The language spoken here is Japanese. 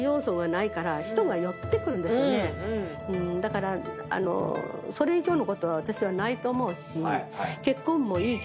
だからそれ以上のことは私はないと思うし結婚も。